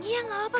iya enggak apa